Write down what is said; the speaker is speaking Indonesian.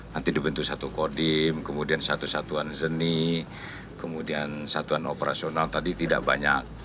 nanti dibentuk satu kodim kemudian satu satuan zeni kemudian satuan operasional tadi tidak banyak